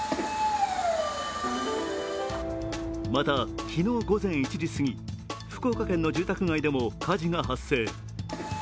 また、昨日午前１時すぎ、福岡県の住宅街でも火事が発生。